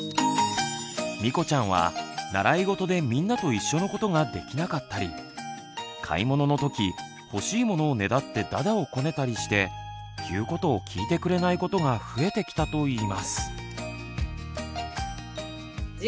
みこちゃんは習い事でみんなと一緒のことができなかったり買い物の時欲しいものをねだってだだをこねたりして言うことを聞いてくれないことが増えてきたといいます。